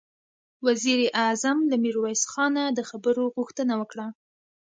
وزير اعظم له ميرويس خانه د خبرو غوښتنه وکړه.